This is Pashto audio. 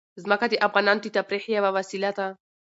ځمکه د افغانانو د تفریح یوه وسیله ده.